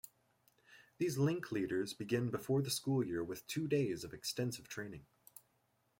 These Link Leaders begin before the school year with two days of extensive training.